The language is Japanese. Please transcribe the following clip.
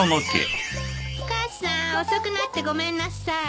母さん遅くなってごめんなさい。